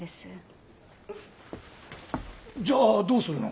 じゃあどうするの？